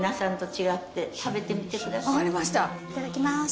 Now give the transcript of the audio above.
いただきます。